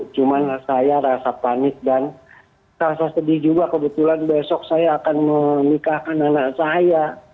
cuma saya rasa panik dan rasa sedih juga kebetulan besok saya akan menikahkan anak saya